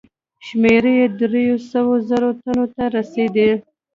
شمېر یې دریو سوو زرو تنو ته رسېدی.